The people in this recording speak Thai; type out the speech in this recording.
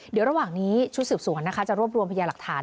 เดี๋ยวระหว่างนี้ชุดสิบสวนจะรวบรวมไพยลักษณ์